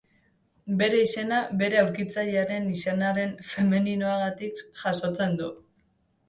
Bere izena bere aurkitzailearen izenaren femeninoagatik jasotzen du.